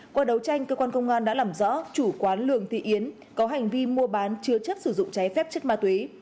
qua đấu tranh cơ quan công an đã làm rõ chủ quán lường thị yến có hành vi mua bán chứa chất sử dụng cháy phép chất ma túy